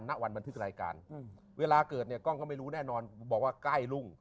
ณวันบันทึกรายการเวลาเกิดเนี่ยกล้องก็ไม่รู้แน่นอนบอกว่าใกล้รุ่ง